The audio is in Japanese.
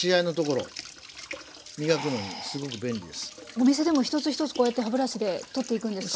お店でも一つ一つこうやって歯ブラシで取っていくんですか？